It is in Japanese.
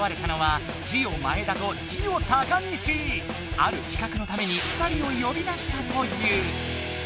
あるきかくのために２人をよび出したという。